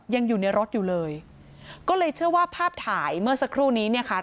ยังอยู่ในรถอยู่เลยก็เลยเชื่อว่าภาพถ่ายเมื่อสักครู่นี้เนี่ยค่ะ